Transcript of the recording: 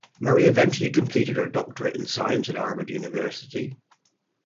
Murray eventually completed her doctorate in science at Harvard University.